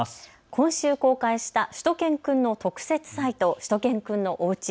今週公開したしゅと犬くんの特設サイト、しゅと犬くんのおうち。